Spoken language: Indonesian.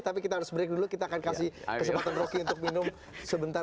tapi kita harus break dulu kita akan kasih kesempatan roky untuk minum sebentar